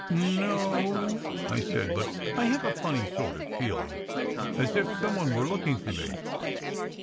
"No o," I said, "but I have a funny sort of feeling as if some one were looking for me!"